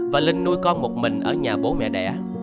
và linh nuôi con một mình ở nhà bố mẹ đẻ